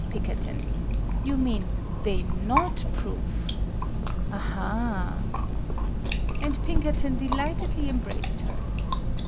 Pikkerton ! You mean they not proof. Aha!" And Pinkerton delightedly embraced her.